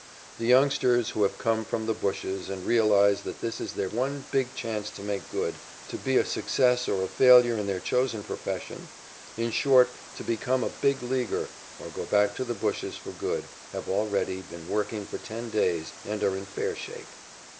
The youngsters, who have come from the bushes and realize that this is their one big chance to make good, to be a success or a failure in their chosen profession in short, to become a Big Leaguer or go back to the bushes for good have already been working for ten days and are in fair shape.